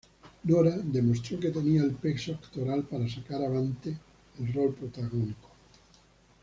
Nora demostró que tenía el peso actoral para sacar avante el rol protagónico.